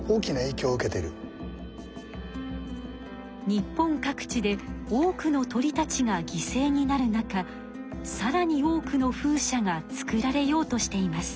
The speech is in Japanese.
日本各地で多くの鳥たちがぎせいになる中さらに多くの風車が作られようとしています。